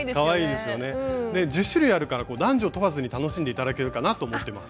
で１０種類あるから男女問わずに楽しんで頂けるかなと思ってます。